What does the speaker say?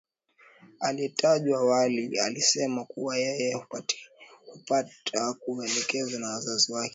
aliyetajwa awali alisema kuwa yeye hakupata mwelekezo wa wazazi wake